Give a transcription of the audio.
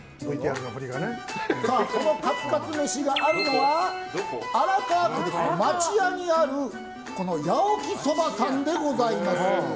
そのカツカツ飯があるのは荒川区の町屋にある八起そばさんでございます。